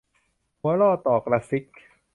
หัวร่อต่อกระซิก